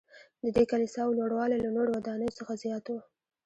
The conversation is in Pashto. ددې کلیساوو لوړوالی له نورو ودانیو څخه زیات و.